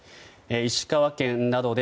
石川県などで